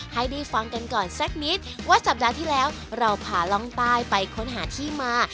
ให้ได้ฟังกันก่อนสักนิดว่าสัปดาห์ที่แล้วเราพาล่องใต้ไปค้นหาที่มา